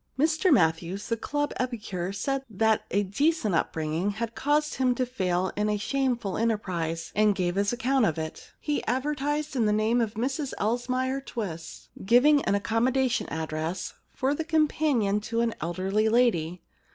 Mr Matthews, the club epicure, said that a decent upbringing had caused him to fail in a shameful enterprise, and gave his account of it. 35 The Problem Club He advertised in the name of Mrs Elsmere TwisSj giving an accommodation address, for a companion to an elderly lady.